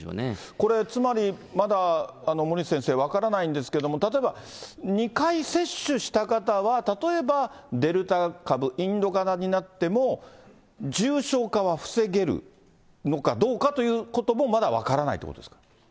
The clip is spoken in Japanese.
これ、つまり、まだ森内先生、分からないんですけれども、例えば２回接種した方は、例えばデルタ株インド型になっても、重症化は防げるのかどうかということもまだ分からないということですか？